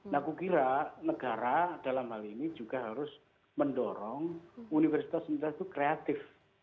nah kukira negara dalam hal ini juga harus mendorong universitas universitas itu kreatif